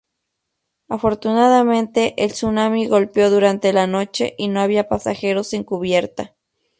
Afortunadamente el tsunami golpeó durante la noche y no había pasajeros en cubierta.